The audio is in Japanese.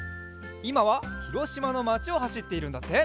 いまはひろしまのまちをはしっているんだって。